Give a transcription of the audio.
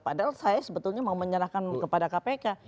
padahal saya sebetulnya mau menyerahkan kepada kpk